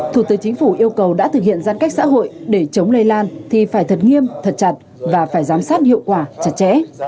thủ tướng chính phủ yêu cầu đã thực hiện giãn cách xã hội để chống lây lan thì phải thật nghiêm thật chặt và phải giám sát hiệu quả chặt chẽ